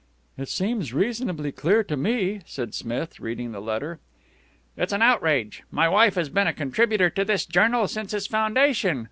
"It seems reasonably clear to me," said Smith, reading the letter. "It's an outrage. My wife has been a contributor to this journal since its foundation.